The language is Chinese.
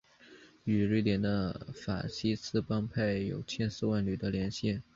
与瑞典的法西斯帮派有千丝万缕的联系。